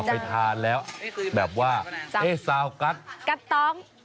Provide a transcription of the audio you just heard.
ไปทานแล้วแบบว่าซาวกั๊ดกั๊ดต้อง